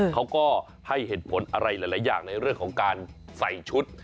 เขาก็ให้เหตุผลอะไรหลายอย่างในเรื่องของการใส่ชุด